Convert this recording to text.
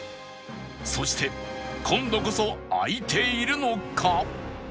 そして今度こそ開いているのか？